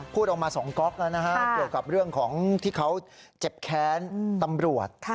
พูดออกมา๒ก๊อกแล้วนะฮะเกี่ยวกับเรื่องของที่เขาเจ็บแค้นตำรวจ